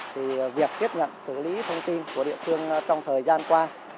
thì việc tiếp nhận xử lý thông tin của địa phương trong thời gian qua